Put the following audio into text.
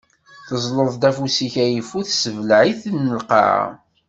Teẓẓleḍ-d afus-ik ayeffus, tessebleɛ-iten lqaɛa.